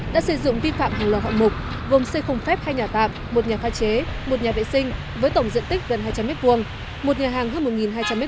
đã xây dựng vi phạm hàng lò hạng mục gồm xây không phép hai nhà tạm một nhà pha chế một nhà vệ sinh với tổng diện tích gần hai trăm linh m hai một nhà hàng hơn một hai trăm linh m hai